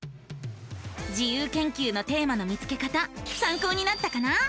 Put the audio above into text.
自由研究のテーマの見つけ方さんこうになったかな？